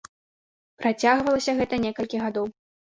Працягвалася гэта некалькі гадоў.